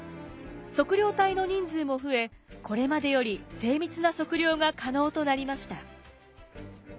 測量隊の人数も増えこれまでより精密な測量が可能となりました。